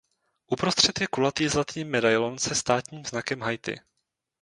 Uprostřed je kulatý zlatý medailon se státním znakem Haiti.